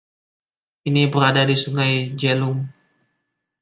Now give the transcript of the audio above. Ini berada di Sungai Jhelum.